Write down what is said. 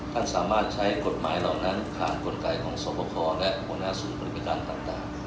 ท่านสามารถใช้กฎหมายเหล่านั้นผ่านกฎกรรย์ของทรพและบศปภิการต่าง